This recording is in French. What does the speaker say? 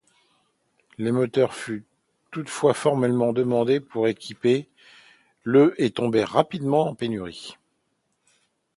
Ces moteurs furent toutefois fortement demandés pour équiper le et tombèrent rapidement en pénurie.